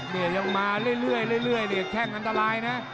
เนี่ยยังมาเรื่อยเนี่ยแข้งอันตรายนะ